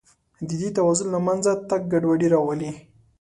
د دې توازن له منځه تګ ګډوډي راولي.